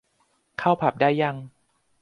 เข้าผับได้ยัง